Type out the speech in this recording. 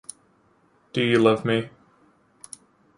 Do you love me?